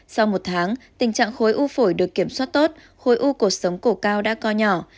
sau một tháng tình trạng khối u phổi được kiểm soát tốt khối u cuộc sống cổ cao đã co nhỏ